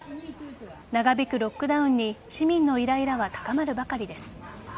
長引くロックダウンに市民のイライラは高まるばかりです。